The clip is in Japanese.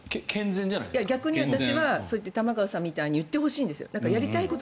逆に私は玉川さんみたいに言ってほしいんです。